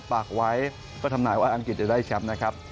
ฝากไว้เพื่อทำนายว่าอังกฤษจะได้แชมป์นะครับ